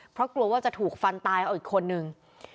เพราะกลัวว่าจะถูกฟันตายเอาอีกคนนึง